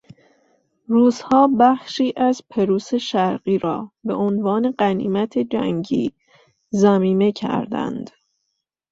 روسهابخشی از پروس شرقی را به عنوان غنیمت جنگی ضمیمه کردند.